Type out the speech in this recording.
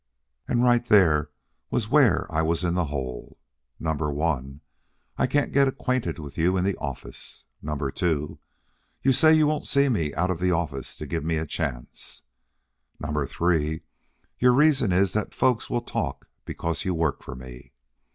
And right there was where I was in the hole. Number one, I can't get acquainted with you in the office. Number two, you say you won't see me out of the office to give me a chance. Number three, your reason is that folks will talk because you work for me.